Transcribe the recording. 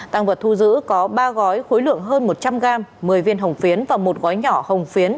tăng vật thu giữ có ba gói khối lượng hơn một trăm linh gram một mươi viên hồng phiến và một gói nhỏ hồng phiến